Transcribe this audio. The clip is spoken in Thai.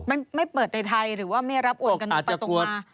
มันไม่เปิดในไทยหรือว่าไม่รับโอนจะตกมา